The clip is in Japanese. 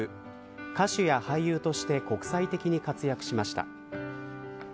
歌手や俳優として国際的に活躍しました。